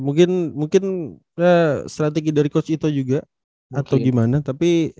mungkin mungkin strategi dari coach ito juga atau gimana tapi